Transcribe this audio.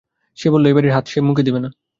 সে বলল-এই বাড়ির তাত সে মুখে দিবে না।